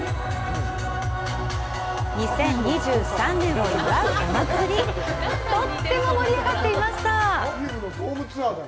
２０２３年を祝うお祭り、とっても盛り上がっていました！